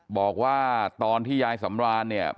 บอกว่าตอนที่ยายสำรานเนี่ย